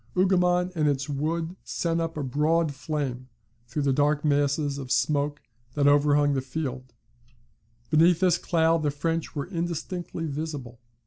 Hougoumont and its wood sent up a broad flame through the dark masses of smoke that overhung the field; beneath this cloud the French were indistinctly visible.